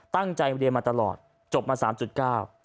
ตั้งใจเรียนมาตลอดจบมา๓๙